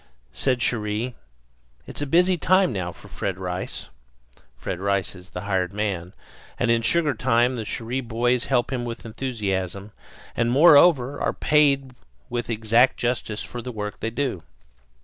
Said Cherrie: "It's a busy time now for Fred Rice" Fred Rice is the hired man, and in sugar time the Cherrie boys help him with enthusiasm, and, moreover, are paid with exact justice for the work they do.